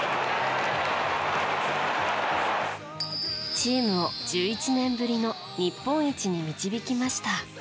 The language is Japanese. チームを１１年ぶりの日本一に導きました。